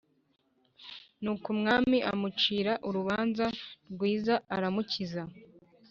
nuko umwami amucira urubanza rwiza aramukiza.